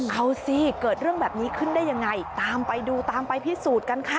เอาสิเกิดเรื่องแบบนี้ขึ้นได้ยังไงตามไปดูตามไปพิสูจน์กันค่ะ